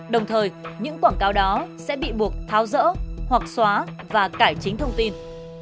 đồng thời những quảng cáo đó sẽ bị buộc tháo rỡ hoặc xóa và cải chính thông tin